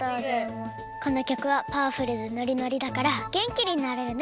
このきょくはパワフルでノリノリだからげんきになれるね。